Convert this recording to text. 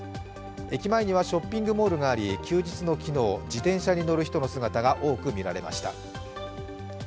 駅前にはショッピングモールがあり、休日の昨日、自転車に乗る人の姿が多く見られました。